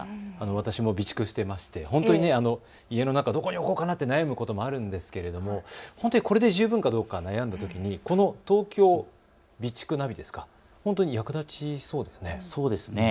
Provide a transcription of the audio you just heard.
私も備蓄していまして家の中、どこに置こうか悩むこともありますけれどもほんとにこれで十分かどうか悩んだときにこの東京備蓄ナビ、本当に役立ちそうですね。